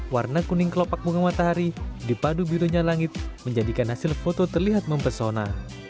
warna kuning kelopak bunga matahari dipadu birunya langit menjadikan hasil foto terlihat mempesona